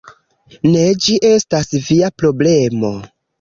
Ne, ĝi estas via problemo